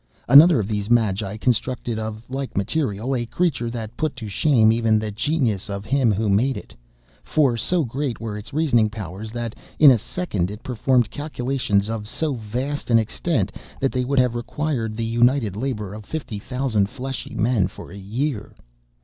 (*22) Another of these magi constructed (of like material) a creature that put to shame even the genius of him who made it; for so great were its reasoning powers that, in a second, it performed calculations of so vast an extent that they would have required the united labor of fifty thousand fleshy men for a year.